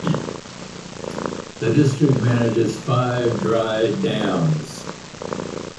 The district manages five dry dams.